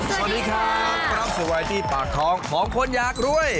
สวัสดีค่ะพร้อมสุขวัยที่ปากท้องของคนยากรวย